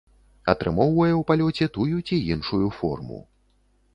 Атрымоўвае у палёце тую ці іншую форму.